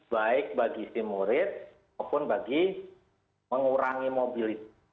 baik bagi si murid maupun bagi mengurangi mobilitas